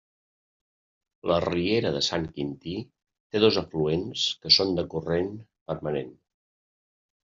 La riera de sant Quintí té dos afluents que són de corrent permanent.